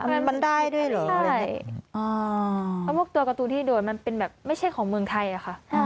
เพราะพวกตัวกระตูที่โดนมันเป็นแบบไม่ใช่ของเมืองไทยค่ะ